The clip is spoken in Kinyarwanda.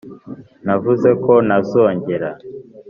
navuze ko ntazongera